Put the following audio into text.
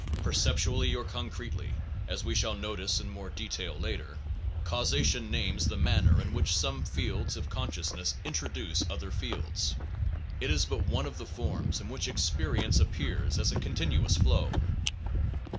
Perceptually or concretely (as we shall notice in more detail later) causation names the manner in which some fields of con 198 NOVELTY AND CAUSATION sciousness introduce other fields. It is but one of the forms in which experience appears as a continuous flow.